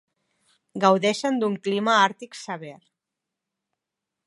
Gaudeixen d'un clima àrtic sever.